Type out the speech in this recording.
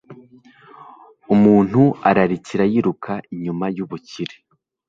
umuntu ararikira yiruka inyuma y'ubukire